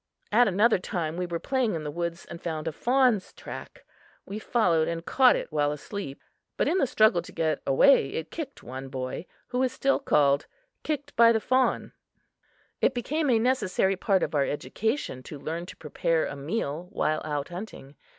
At another time, we were playing in the woods and found a fawn's track. We followed and caught it while asleep; but in the struggle to get away, it kicked one boy, who is still called "Kicked by the Fawn." It became a necessary part of our education to learn to prepare a meal while out hunting.